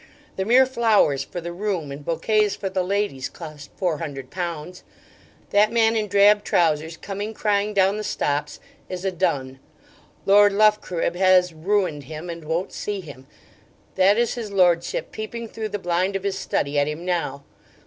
The mere flowers for the room and bouquets for the ladies cost four hundred pounds. That man in drab trousers, coming crying down the stops, is a dun: Lord Loughcorrib has ruined him, and won't see him: that is his lordship peeping through the blind of his study at him now.